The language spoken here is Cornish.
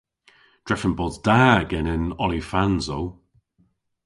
Drefen bos da genen olifansow.